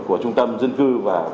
của trung tâm dân cư